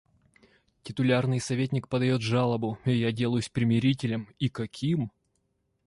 Титулярный советник подает жалобу, и я делаюсь примирителем, и каким!...